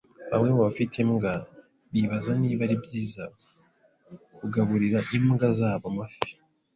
Bamwe mubafite imbwa bibaza niba ari byiza kugaburira imbwa zabo amafi.